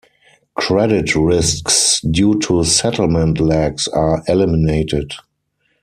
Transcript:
Credit risks due to settlement lags are eliminated.